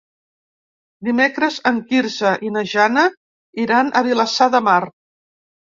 Dimecres en Quirze i na Jana iran a Vilassar de Mar.